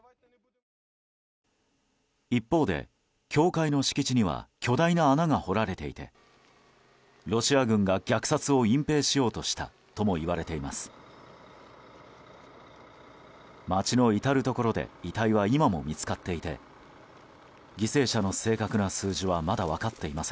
一方で教会の敷地には巨大な穴が掘られていてロシア軍が虐殺を隠蔽しようとしたともいわれています。